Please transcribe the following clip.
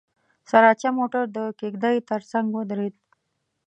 سراچه موټر د کېږدۍ تر څنګ ودرېد.